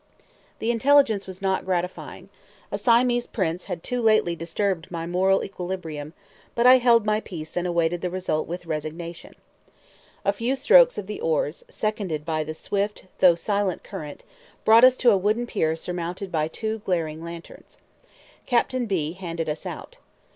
The intelligence was not gratifying, a Siamese prince had too lately disturbed my moral equilibrium; but I held my peace and awaited the result with resignation. A few strokes of the oars, seconded by the swift though silent current, brought us to a wooden pier surmounted by two glaring lanterns. Captain B handed us out.